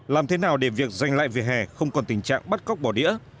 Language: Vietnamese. làm thế nào để việc giành lại về hè không còn tình trạng bắt cóc bỏ đĩa